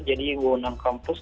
jadi wawonan kampus